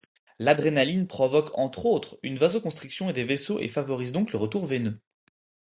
L'adrénaline provoque entre autres une vasoconstriction des vaisseaux et favorise donc le retour veineux.